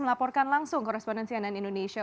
melaporkan langsung koresponden cnn indonesia